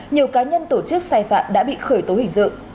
nhiều cá nhân tổ chức sai phạm đã bị khởi tố hình dự